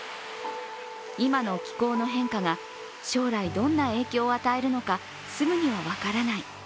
今の気候の変化が将来どんな影響を与えるのか、すぐには分からない。